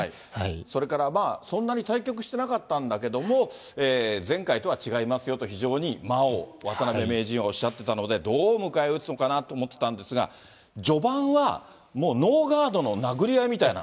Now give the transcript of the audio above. それからまあ、そんなに対局してなかったんだけれども、前回とは違いますよと、非常に間を、渡辺名人はおっしゃってたので、どう迎え撃つのかなと思ってたんですが、序盤はもうノーガードの殴り合いみたいな。